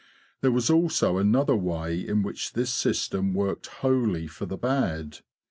There was also another way in which this system worked wholly for the bad.